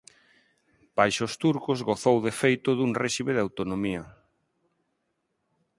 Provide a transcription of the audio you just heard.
Baixo os turcos gozou de feito dun réxime de autonomía.